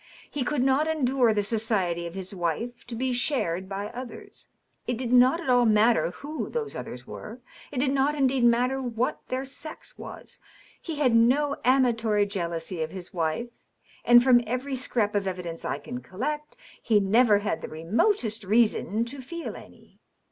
He could not endure the society of his wife to be shared by others. It did not at all matter who those others were ; it did not indeed matter what their sex was. He had no amatory jealousy of his wife — ^and from every scrap of evidence I can collect, he never had the remotest reason to feel any.